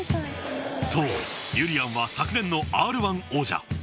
そうゆりやんは昨年のＲ−１王者。